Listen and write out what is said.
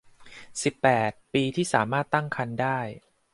สิบแปด ปีที่สามารถตั้งครรภ์ได้